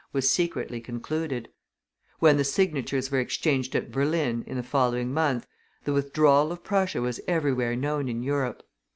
was secretly concluded; when the signatures were exchanged at Berlin in the following month, the withdrawal of Prussia was everywhere known in Europe.